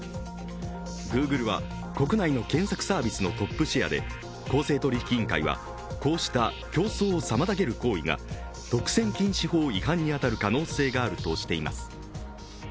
Ｇｏｏｇｌｅは国内の検索サービスのトップシェアで公正取引委員会はこうした競争を妨げる行為が独占禁止法違反に当たる可能性があるとしています。